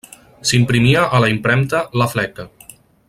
S'imprimia a la Impremta La Fleca.